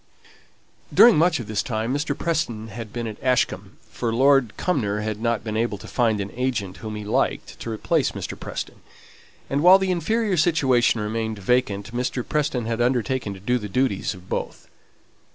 During much of this time Mr. Preston had been at Ashcombe; for Lord Cumnor had not been able to find an agent whom he liked to replace Mr. Preston; and while the inferior situation remained vacant Mr. Preston had undertaken to do the duties of both.